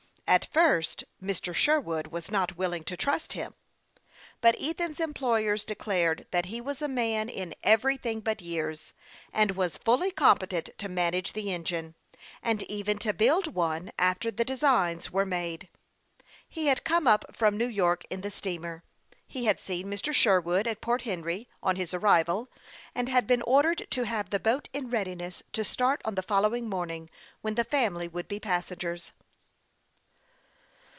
At first, Mr. Sherwood was not willing to trust him ; but Ethan's employers declared that he was a man in everything but years, and was fully competent to manage the engine, and even to build one after the designs were made. He had come up from New York in the steamer. He had seen Mr. Sher wood at Port Henry, on his arrival, and had been ordered to have the boat in readiness to start on the following morning, when the family would be passengers.